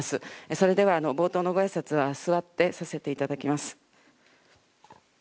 それでは冒頭のごあいさつは座ってさせていただきます。